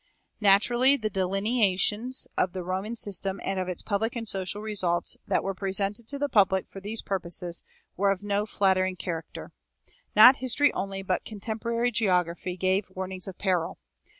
Naturally the delineations of the Roman system and of its public and social results that were presented to the public for these purposes were of no flattering character. Not history only, but contemporary geography gave warnings of peril.